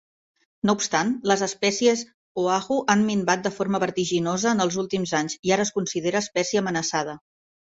No obstant, les espècies Oahu han minvat de forma vertiginosa en els últims anys i ara es considera espècie amenaçada.